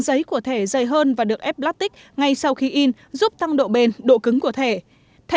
giấy của thẻ dày hơn và được ép plastic ngay sau khi in giúp tăng độ bền độ cứng của thẻ thẻ